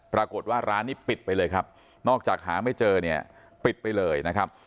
ปรากฏว่าร้านนี้ปิดไปเลยครับนอกจากหาไม่เจอเนี่ยปิดไปเลยนะครับ